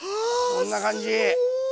こんな感じ。